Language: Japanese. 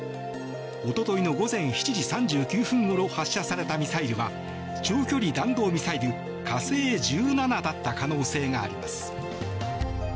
一昨日の午前７時３９分ごろ発射されたミサイルは長距離弾道ミサイル「火星１７」だった可能性があります。